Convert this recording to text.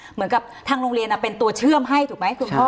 เหมือนกับทางโรงเรียนเป็นตัวเชื่อมให้ถูกไหมคุณพ่อ